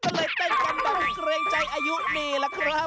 ก็เลยแต่งกันไม่ต้องเกรงใจอายุนี่ล่ะครับ